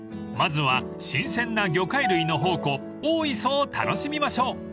［まずは新鮮な魚介類の宝庫大磯を楽しみましょう］